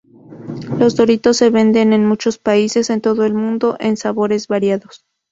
Los doritos se venden en muchos países en todo el mundo en sabores variados.